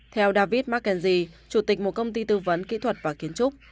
theo david mccangzy chủ tịch một công ty tư vấn kỹ thuật và kiến trúc